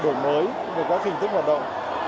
chúng tôi biết đổi mới về các hình thức hoạt động